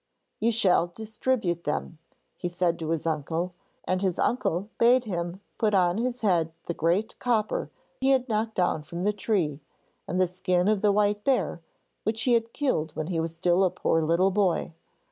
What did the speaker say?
'You shall distribute them,' he said to his uncle, and his uncle bade him put on his head the great copper he had knocked down from the tree, and the skin of the white bear which he had killed when he was still a poor little boy.